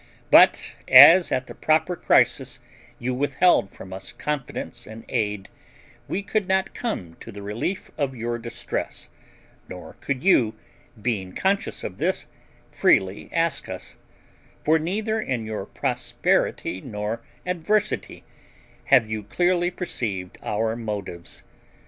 But as at the proper crisis you withheld from us confidence and aid, we could not come to the relief of your distress, nor could you, being conscious of this, freely ask us; for neither in your prosperity nor adversity have you clearly perceived our motives.